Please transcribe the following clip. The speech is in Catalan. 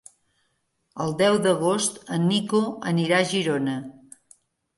El deu d'agost en Nico anirà a Girona.